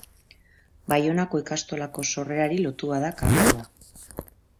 Baionako ikastolako sorrerari lotua da kantua.